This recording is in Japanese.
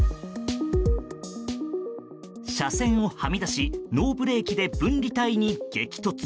車線をはみ出しノーブレーキで分離帯に激突。